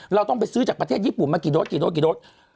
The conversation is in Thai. เราต้องไปซื้อจากประเทศญี่ปุ่นมากี่โดสกี่โดสกี่โดส